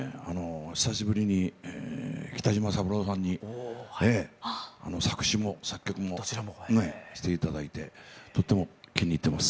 久しぶりに北島三郎さんに作詞も作曲もして頂いてとっても気に入ってます。